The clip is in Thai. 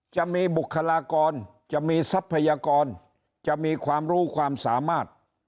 บุคลากรจะมีทรัพยากรจะมีความรู้ความสามารถ